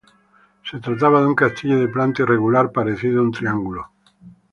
Se trataba de un castillo de planta irregular, parecida a un triángulo.